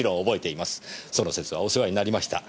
その節はお世話になりました。